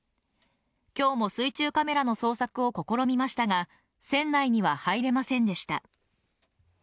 今日も水中カメラの捜索を試みましたが船内には入れませんでした。